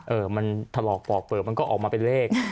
เออมันถลอกปอกเปลือกมันก็ออกมาเป็นเลข